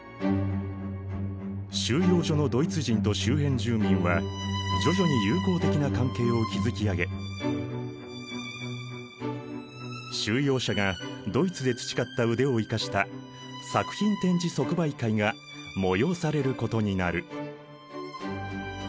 収容所のドイツ人と周辺住民は徐々に友好的な関係を築き上げ収容者がドイツで培った腕を生かした作品展示即売会が催されることになる。